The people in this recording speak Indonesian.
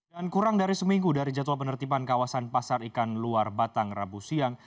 dan kurang dari seminggu dari jadwal penertiban kawasan pasar ikan luar batang rabu siang